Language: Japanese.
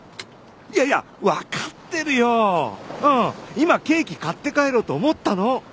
今ケーキ買って帰ろうと思ったの。